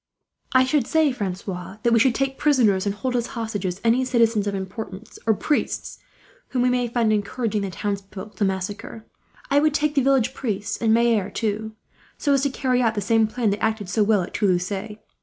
"I should say, Francois, that we should take prisoners, and hold as hostages, any citizens of importance, or priests, whom we may find encouraging the townsfolk to massacre. I would take the village priests, and maire too, so as to carry out the same plan that acted so well at Toulouse.